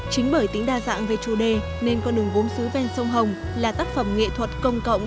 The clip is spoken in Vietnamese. chính bởi tính đa dạng về chủ đề nên con đường gốm xứ ven sông hồng là tác phẩm nghệ thuật công cộng